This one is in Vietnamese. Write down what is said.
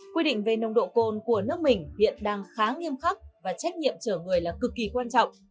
quy định về nồng độ cồn của nước mình hiện đang khá nghiêm khắc và trách nhiệm chở người là cực kỳ quan trọng